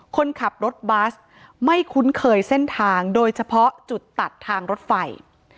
คนขับรถบัสไม่คุ้นเคยเส้นทางโดยเฉพาะจุดตัดทางรถไฟ